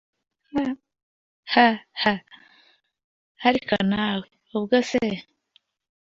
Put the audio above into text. hahaha, ariko nawe, ubwo se